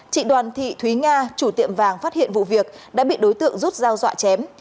chị đoàn thị thúy nga chủ tiệm vàng phát hiện vụ việc đã bị đối tượng rút dao dọa chém